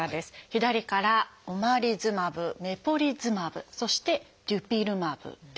左から「オマリズマブ」「メポリズマブ」そして「デュピルマブ」です。